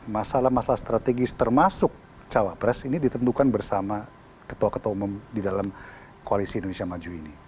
masalah masalah strategis termasuk cawapres ini ditentukan bersama ketua ketua umum di dalam koalisi indonesia maju ini